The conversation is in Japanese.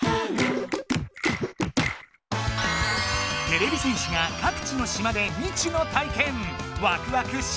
てれび戦士がかく地の島でみ知の体験！